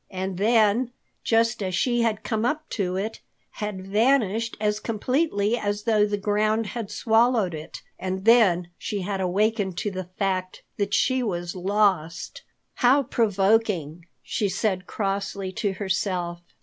And then, just as she had come up to it, had vanished as completely as though the ground had swallowed it. And then she had awakened to the fact that she was lost. "How provoking!" she said crossly to herself.